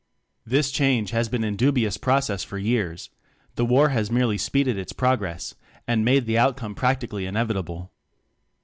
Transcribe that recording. This change has been in dubious process for years; the War has merely speeded its progress and made the outcome practically inevitable.